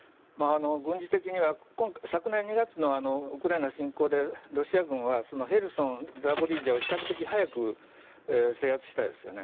軍事的には昨年２月のウクライナ侵攻でロシア軍はヘルソン、ザポリージャを比較的早く制圧しましたよね。